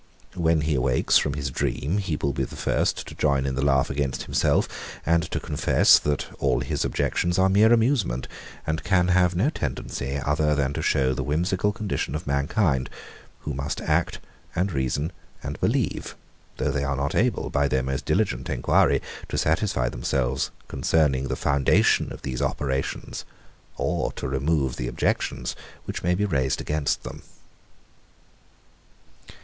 When he awakes from his dream, he will be the first to join in the laugh against himself, and to confess, that all his objections are mere amusement, and can have no other tendency than to show the whimsical condition of mankind, who must act and reason and believe; though they are not able, by their most diligent enquiry, to satisfy themselves concerning the foundation of these operations, or to remove the objections, which may be raised against them.